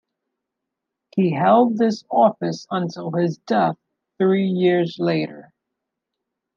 He held this office until his death three years later.